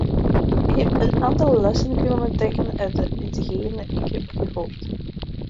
Ik heb een aantal lessen kunnen trekken uit hetgeen ik heb gehoord.